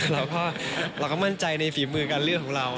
เราก็มั่นใจในฝีมือการเลือกของเรา